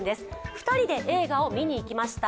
２人で映画を見に行きました。